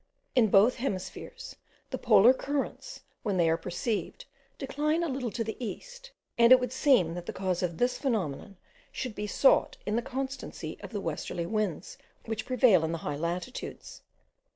In both hemispheres, the polar currents, when they are perceived, decline a little to the east; and it would seem that the cause of this phenomenon should be sought in the constancy of the westerly winds which prevail in the high latitudes.